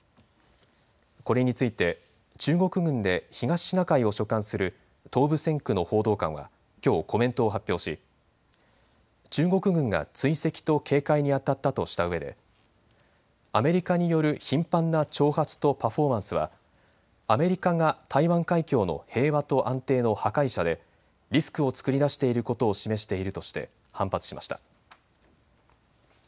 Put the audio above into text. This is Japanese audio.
これについて中国軍で東シナ海を所管する東部線区の報道官はきょうコメントを発表し中国軍が追跡と警戒にあたったとしたうえでアメリカによる頻繁な挑発とパフォーマンスはアメリカが台湾海峡の平和と安定の破壊者でリスクを作り出していることを示しているとして反発しました。